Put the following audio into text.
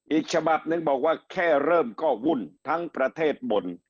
อีกฉบับหนึ่งบอกว่าแค่เริ่มก็วุ่นทั้งประเทศบ่น